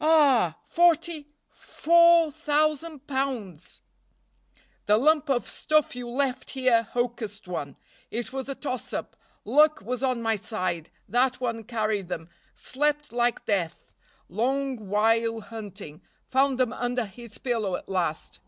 "Ah! forty four thousand pounds." "The lump of stuff you left here hocussed one it was a toss up luck was on my side that one carried them slept like death long while hunting found them under his pillow at last."